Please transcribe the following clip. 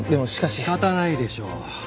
仕方ないでしょう。